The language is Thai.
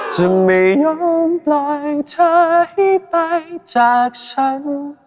ฉันไม่ยอมปล่อยเธอให้ไปจากฉัน